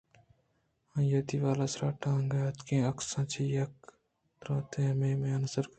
آئی دیوال ءِ سر ا ٹنگ اِتگیں عکساں چہ یکے دور کُت ءُآئی ءِ میخ ءِ سرا کاگد اڑینت